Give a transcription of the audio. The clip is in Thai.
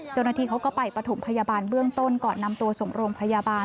เจ้าหน้าที่เขาก็ไปปฐมพยาบาลเบื้องต้นก่อนนำตัวส่งโรงพยาบาล